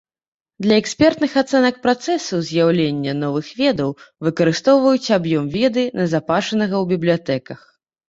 Для экспертных ацэнак працэсу з'яўлення новых ведаў выкарыстоўваюць аб'ём веды, назапашанага ў бібліятэках.